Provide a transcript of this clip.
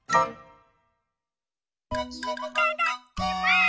いただきます！